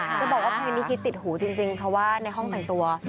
จะบอกว่าเพลงนี้คิดติดหูจริงเพราะว่าในห้องแต่งตัว